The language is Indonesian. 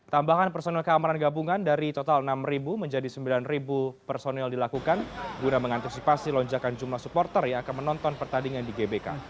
tambahan personel keamanan gabungan dari total enam menjadi sembilan personel dilakukan guna mengantisipasi lonjakan jumlah supporter yang akan menonton pertandingan di gbk